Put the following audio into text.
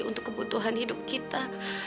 untuk kebutuhan hidup kita